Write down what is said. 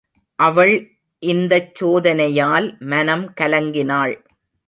அவள் இந்தச் சோதனையால் மனம் கலங்கினாள்.